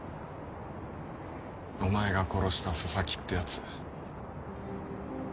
お前が殺した佐々木ってヤツ。